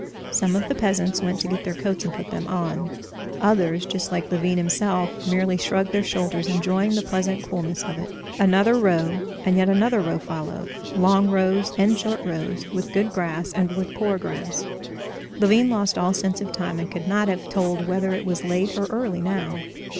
Some of the peasants went to their coats and put them on; others—just like Levin himself—merely shrugged their shoulders, enjoying the pleasant coolness of it. Another row, and yet another row, followed—long rows and short rows, with good grass and with poor grass. Levin lost all sense of time, and could not have told whether it was late or early now.